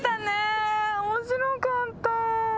面白かった。